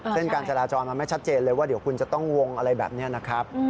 เส้นการจราจรมันไม่ชัดเจนเลยว่าเดี๋ยวคุณจะต้องวงอะไรแบบนี้นะครับ